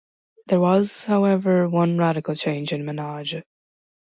There was, however, one radical change in ménage.